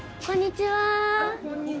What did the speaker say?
こんにちは。